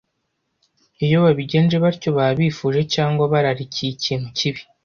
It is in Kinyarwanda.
Iyo babigenje batyo baba bifuje cyangwa bararikiye ikintu kibi